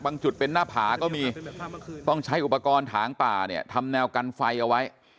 จุดเป็นหน้าผาก็มีต้องใช้อุปกรณ์ถางป่าเนี่ยทำแนวกันไฟเอาไว้